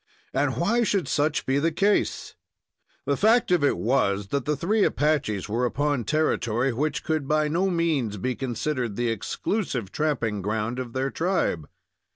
And why should such be the case? The fact of it was, that the three Apaches were upon territory which could by no means be considered the exclusive tramping ground of their tribe.